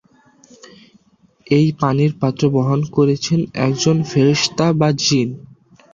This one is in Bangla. এই পানির পাত্র বহন করছেন একজন ফেরেশতা বা জ্বীন।